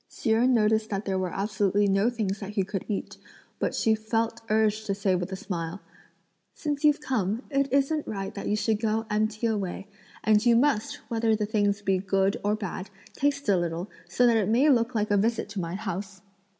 Hsi Jen noticed that there were absolutely no things that he could eat, but she felt urged to say with a smile: "Since you've come, it isn't right that you should go empty away; and you must, whether the things be good or bad, taste a little, so that it may look like a visit to my house!"